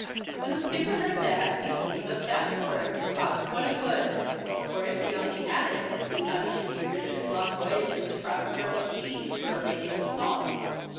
When the skipper heard that, he said he must have the quern, cost what it would; for if he only had it, he thought he should be rid of his long voyages across stormy seas for a lading of salt.